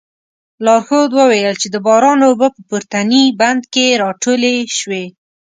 لارښود وویل چې د باران اوبه په پورتني بند کې راټولې شوې.